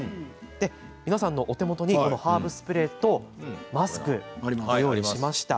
皆さんのお手元にハーブスプレーとマスクご用意しました。